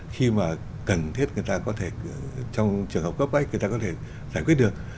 khi mà cần thiết người ta có thể trong trường hợp cấp bách người ta có thể giải quyết được